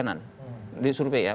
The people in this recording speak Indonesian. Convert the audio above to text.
bukan data dari internet